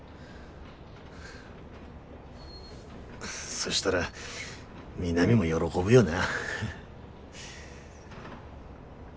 そしたら美波も喜ぶよな。